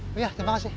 oh iya terima kasih